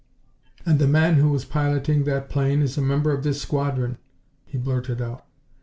"And the man who was piloting that plane is a member of this squadron," he blurted out.